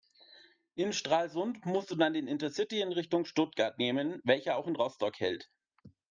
In Stralsund musst du dann den Intercity in Richtung Stuttgart nehmen, welcher auch in Rostock hält.